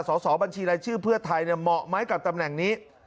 สอบบัญชีรายชื่อเพื่อไทยเหมาะไหมกับตำแหน่งนี้